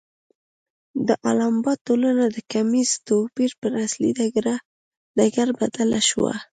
د الاباما ټولنه د توکمیز توپیر پر اصلي ډګر بدله شوه.